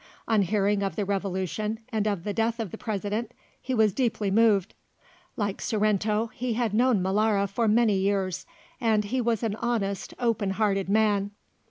On hearing of the Revolution and of the death of the President, he was deeply moved. Like Sorrento, he had known Molara for many years, and he was an honest, open hearted man.